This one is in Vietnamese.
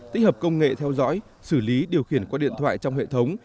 tích hợp công nghệ theo dõi xử lý điều khiển qua điện thoại trong hệ thống